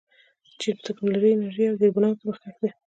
چین په ټیکنالوژۍ، انرژۍ او زیربناوو کې مخکښ دی.